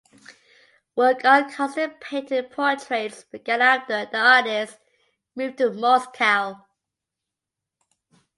Work on custom painted portraits began after the artist moved to Moscow.